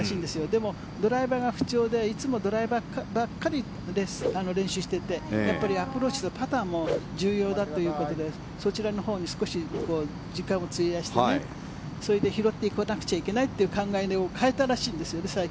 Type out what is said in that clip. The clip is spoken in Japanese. でも、ドライバーが不調でいつもドライバーばかり練習しててやっぱりアプローチとパターも重要だということでそちらのほうに少し時間を費やしてそれで拾ってこなきゃいけないって最近考えを変えたらしいんです。